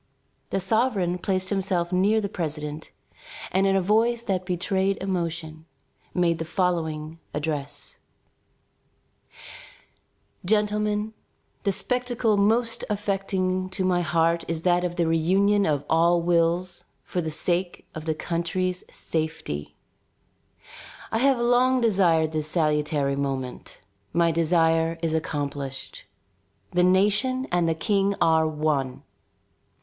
The sovereign placed himself near the president, and in a voice that betrayed emotion, made the following address: "Gentlemen, the spectacle most affecting to my heart is that of the reunion of all wills for the sake of the country's safety. I have long desired this salutary moment; my desire is accomplished. The nation and the King are one.